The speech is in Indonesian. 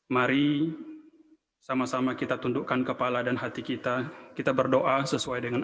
mari sama sama kita tundukkan kepala dan hati kita kita berdoa sesuai dengan